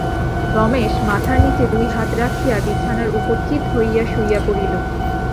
রমেশ মাথার নীচে দুই হাত রাখিয়া বিছানার উপর চিত হইয়া শুইয়া পড়িল।